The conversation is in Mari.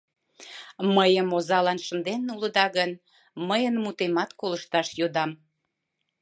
— Мыйым озалан шынден улыда гын, мыйын мутемат колышташ йодам.